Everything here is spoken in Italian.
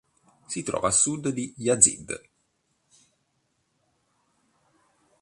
Si trova a sud di Yazd.